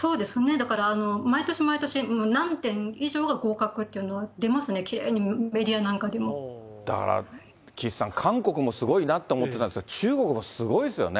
だから、毎年毎年、何点以上が合格っていうのは出ますね、きれいにメディアなんかでだから岸さん、韓国もすごいなって思ってたんですが、中国もすごいですよね。